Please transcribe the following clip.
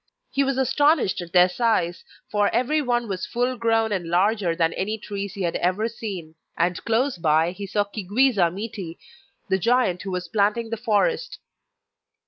He was astonished at their size, for every one was full grown and larger than any trees he had ever seen, and close by he saw Chi gwisa miti, the giant who was planting the forest.